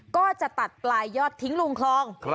ก็จะตัดปลายยอดทิ้งลงคลอง